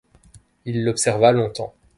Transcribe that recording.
Il l’observa longtemps.